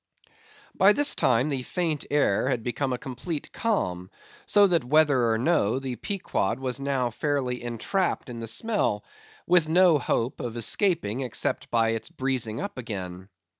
By this time the faint air had become a complete calm; so that whether or no, the Pequod was now fairly entrapped in the smell, with no hope of escaping except by its breezing up again.